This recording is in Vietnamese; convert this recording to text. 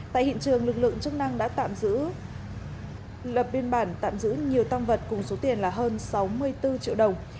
tại hiện trường lực lượng chức năng đã tạm giữ nhiều tăng vật cùng số tiền là hơn sáu mươi bốn triệu đồng